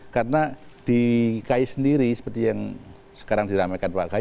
karena di kay sendiri seperti yang sekarang diramaikan pak kay